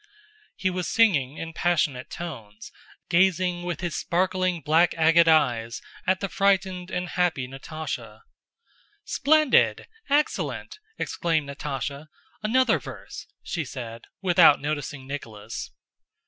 He was singing in passionate tones, gazing with his sparkling black agate eyes at the frightened and happy Natásha. "Splendid! Excellent!" exclaimed Natásha. "Another verse," she said, without noticing Nicholas.